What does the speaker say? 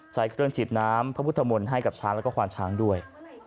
ใช้เครื่องฉีดน้ำพระพุทธมนต์ให้กับช้างแล้วก็ควานช้างด้วย